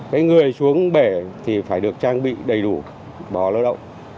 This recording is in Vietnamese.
cái người xuống bể thì phải được trang bị đầy đủ cái người xuống bể thì phải được trang bị đầy đủ